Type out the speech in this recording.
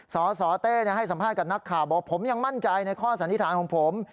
สสเต้ให้สัมภาษณ์กับนักข่าวบอกผมยังมั่นใจในข้อสันนิษฐานของผม